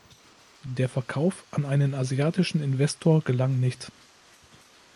Der Verkauf an einen asiatischen Investor gelang nicht.